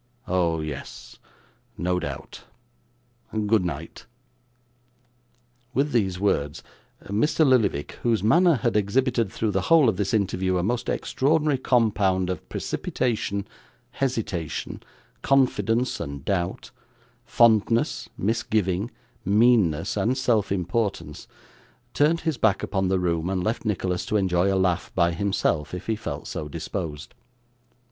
Oh yes. No doubt. Good night.' With these words, Mr. Lillyvick, whose manner had exhibited through the whole of this interview a most extraordinary compound of precipitation, hesitation, confidence and doubt, fondness, misgiving, meanness, and self importance, turned his back upon the room, and left Nicholas to enjoy a laugh by himself if he felt so disposed.